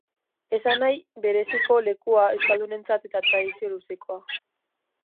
Esanahi bereziko lekua euskaldunentzat, eta tradizio luzekoa.